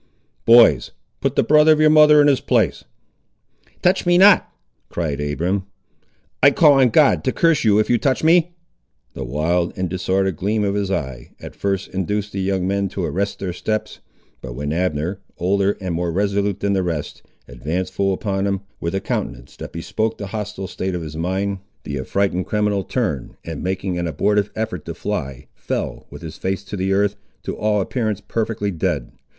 Boys, put the brother of your mother in his place." "Touch me not!" cried Abiram. "I'll call on God to curse you if you touch me!" The wild and disordered gleam of his eye, at first induced the young men to arrest their steps; but when Abner, older and more resolute than the rest, advanced full upon him, with a countenance that bespoke the hostile state of his mind, the affrighted criminal turned, and, making an abortive effort to fly, fell with his face to the earth, to all appearance perfectly dead.